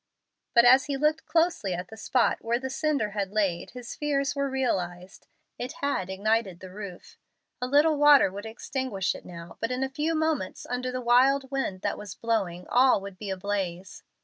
But as he looked closely at the spot where the cinder had laid, his fears were realized. It had ignited the roof. A little water would extinguish it now, but in a few moments, under the wild wind that was blowing, all would be ablaze.